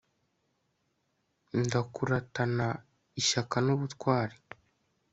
ndakuratana ishyaka n'ubutwari